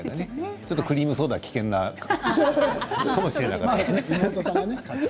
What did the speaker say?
ちょっとクリームソーダは危険かもしれないですね。